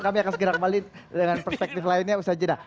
kami akan segera kembali dengan perspektif lainnya